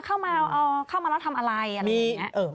เข้ามาล่ะทำอะไร